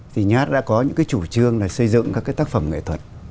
thì nhát đã có những cái chủ trương là xây dựng các cái tác phẩm nghệ thuật